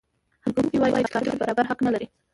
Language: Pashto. حکم کوونکی وايي چې کافر برابر حقوق نلري.